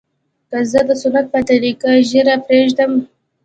که زه د سنت په طريقه ږيره پرېږدم.